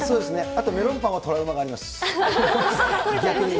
あとメロンパンはトラウマがあります。